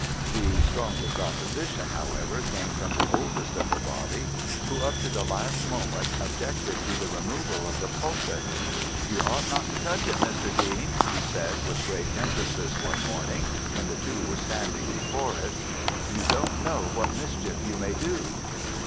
The strongest opposition, however, came from the oldest of the body, who up to the last moment objected to the removal of the pulpit. "You ought not to touch it, Mr. Dean," he said with great emphasis one morning, when the two were standing before it: "you don't know what mischief you may do."